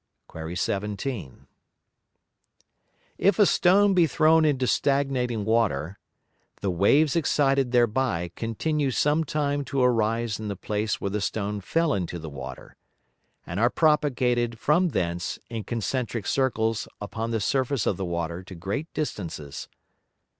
Qu. 17. If a stone be thrown into stagnating Water, the Waves excited thereby continue some time to arise in the place where the Stone fell into the Water, and are propagated from thence in concentrick Circles upon the Surface of the Water to great distances.